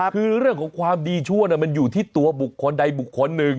คือเรื่องของความดีชั่วมันอยู่ที่ตัวบุคคลใดบุคคลหนึ่ง